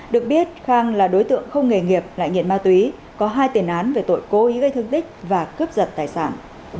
được biết khang là đối tượng không nghề nghiệp lại nghiện ma túy có hai tiền án về tội cố ý gây thương tích và cướp giật tài sản